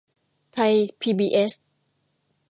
ไทยพีบีเอส